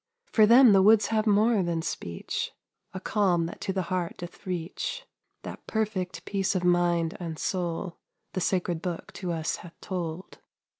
For them the woods have more than speech, A calm that to the heart doth reach, That perfect peace of mind and soul The sacred Book to us hath told.